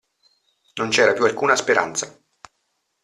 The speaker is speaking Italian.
Non c'era più alcuna speranza.